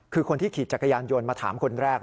คือคนที่ขี่จักรยานยนต์มาถามคนแรก